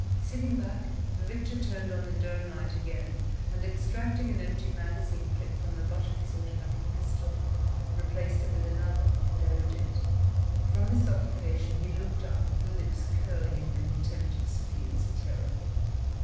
Sitting back, Victor turned on the dome light again, and extracting an empty magazine clip from the butt of his automatic pistol, replaced it with another, loaded. From this occupation he looked up with lips curling in contempt of Sofia's terror.